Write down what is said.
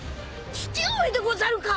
父上でござるか！？］